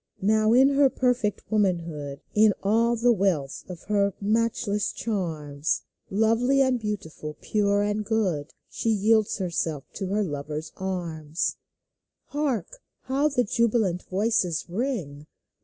Now in her perfect womanhood, In all the wealth of her matchless charms, TWO 173 Lovely and beautiful, pure and good, She yields herself to her lover's arms. Hark ! how the jubilant voices ring